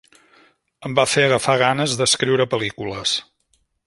Em va fer agafar ganes d'escriure pel·lícules.